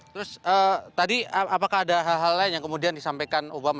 terus tadi apakah ada hal hal lain yang kemudian disampaikan obama